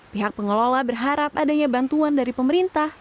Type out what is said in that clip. pihak pengelola berharap adanya bantuan dari pemerintah